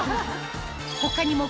ここに。